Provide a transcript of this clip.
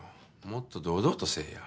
もっと堂々とせいや。